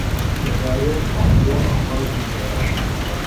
მდებარეობს პაპუა-ახალ გვინეაში.